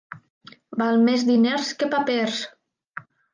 Val més diners que papers.